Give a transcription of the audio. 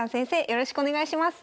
よろしくお願いします。